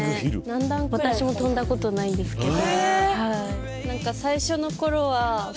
私も飛んだことないんですけど。